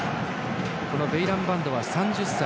このベイランバンドは３０歳。